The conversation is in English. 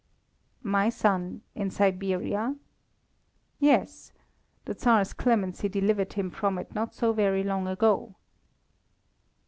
"My son in Siberia?" "Yes. The Tsar's clemency delivered him from it not so very long ago."